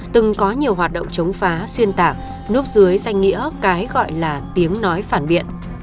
từng có nhiều hoạt động chống phá xuyên tạc núp dưới danh nghĩa cái gọi là tiếng nói phản biện